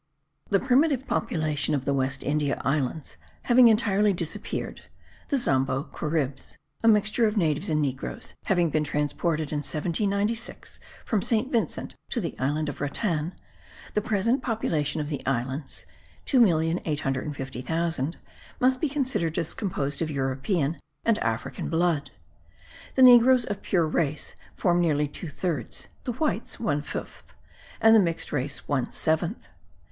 The primitive population of the West India Islands having entirely disappeared (the Zambo Caribs, a mixture of natives and negroes, having been transported in 1796, from St. Vincent to the island of Ratan), the present population of the islands (2,850,000) must be considered as composed of European and African blood. The negroes of pure race form nearly two thirds; the whites one fifth; and the mixed race one seventh.